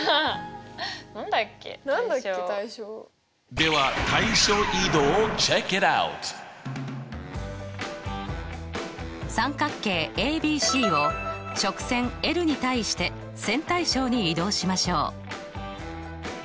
では三角形ＡＢＣを直線に対して線対称に移動しましょう。